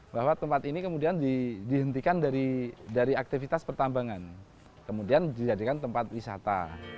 bahwa tempat ini kemudian dihentikan dari aktivitas pertambangan kemudian dijadikan tempat wisata